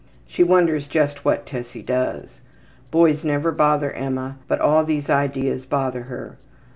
She wonders just what Tessie does. Boys never bother Emma, but all these ideas bother her.